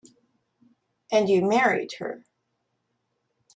And you married her.